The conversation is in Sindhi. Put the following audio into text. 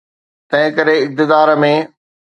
تنهنڪري اقتدار ۾.